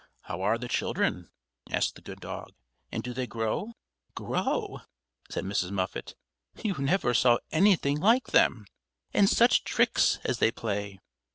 "How are the children?" asked the good dog, "and do they grow?" "Grow?" said Mrs. Muffet. "You never saw anything like them! and such tricks as they play!